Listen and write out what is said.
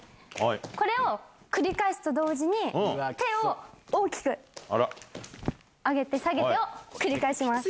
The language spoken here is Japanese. これを繰り返すと同時に手を大きく上げて下げてを繰り返します。